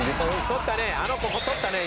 取ったね。